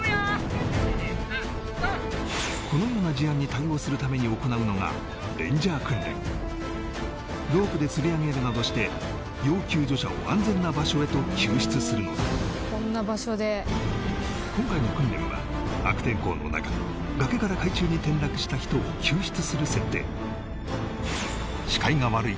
１２３このような事案に対応するために行うのがレンジャー訓練ロープでつり上げるなどして要救助者を安全な場所へと救出するのだ今回の訓練は悪天候の中崖から海中に転落した人を救出する設定視界が悪い